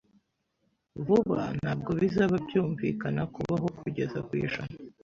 Vuba, ntabwo bizaba byunvikana kubaho kugeza kwijana.